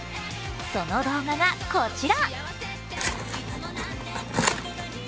その動画がこちら。